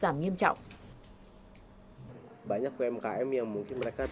giảm nghiêm trọng